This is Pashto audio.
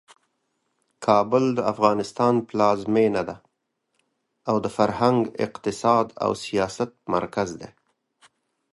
کابل د افغانستان پلازمینه ده او د فرهنګ، اقتصاد او سیاست مرکز دی.